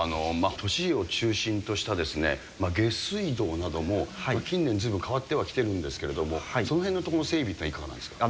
都市を中心とした下水道なども近年、ずいぶん変わってはきているんですけれども、そのへんのところの整備というのはいかがなんですか？